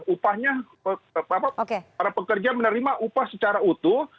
upahnya para pekerja menerima upah secara utuh